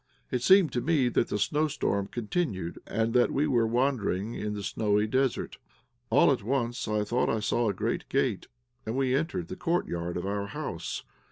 It seemed to me that the snowstorm continued, and that we were wandering in the snowy desert. All at once I thought I saw a great gate, and we entered the courtyard of our house.